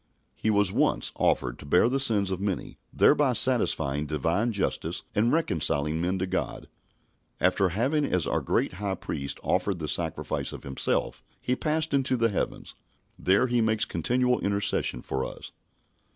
He was once offered to bear the sins of many, thereby satisfying Divine justice and reconciling men to God. After having as our great High Priest offered the sacrifice of Himself, He passed into the heavens. There He makes continual intercession for us.